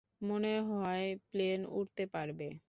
মনে হয় প্লেন উড়তে পারবে।